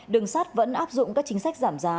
đường sắt vẫn áp dụng các chính sách giảm giá